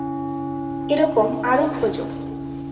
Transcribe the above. এরকম আরো খোঁজ।